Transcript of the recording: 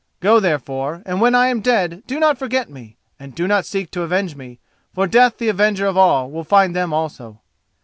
Go, therefore, and when I am dead, do not forget me, and do not seek to avenge me, for Death the avenger of all will find them also."